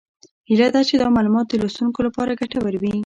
هیله ده چې دا معلومات د لوستونکو لپاره ګټور وي